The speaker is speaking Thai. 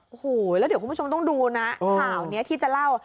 โอ้โหแล้วเดี๋ยวคุณผู้ชมต้องดูนะข่าวนี้ที่จะเล่า